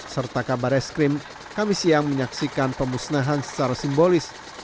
serta kabar eskrim kami siang menyaksikan pemusnahan secara simbolis